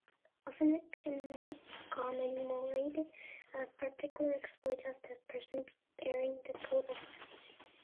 Often it commemorated a particular exploit of the person bearing the coat of arms.